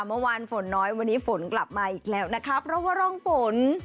เมื่อวานฝนน้อยวันนี้ฝนกลับมาอีกแล้วนะคะเพราะว่าร่องฝน